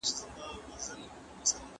لویس د تنوع لپاره اقتصادي پرمختیا هم لیکي.